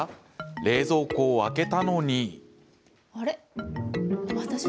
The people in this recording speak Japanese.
冷蔵庫を開けたのに。